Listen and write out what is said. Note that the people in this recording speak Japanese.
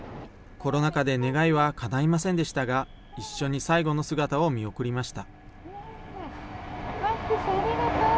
コロナ禍で願いはかないませんでしたが、一緒に最後の姿を見送りました。